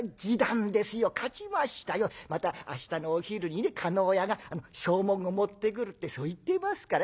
また明日のお昼にね叶屋が証文を持ってくるってそう言ってますから。